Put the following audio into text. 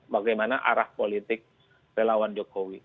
bagaimana arah politik relawan jokowi